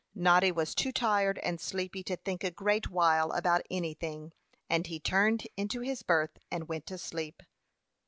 Noddy was too tired and sleepy to think a great while about anything; and he turned into his berth, and went to sleep.